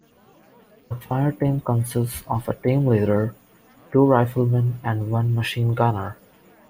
The fireteam consists of a team leader, two riflemen and one machine-gunner.